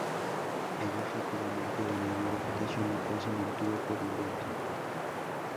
Ellos rápidamente ganaron reputación, la cual se mantuvo por un buen tiempo.